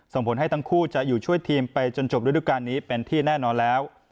ส่งผลให้ทั้งคู่จะอยู่ช่วยทีมไปจนจบฤดูการนี้เป็นที่แน่นอนแล้ว